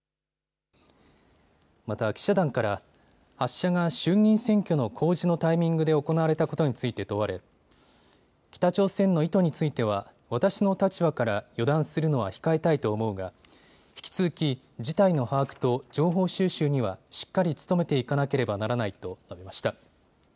また記者団から発射が衆議院選挙の公示のタイミングで行われたことについて問われ北朝鮮の意図については私の立場から予断するのは控えたいと思うが引き続き、事態の把握と情報収集にはしっかり努めていかなければならないと述べました。